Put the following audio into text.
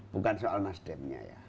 bukan soal nasdemnya ya